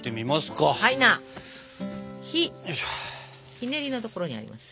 ひねりのところにあります。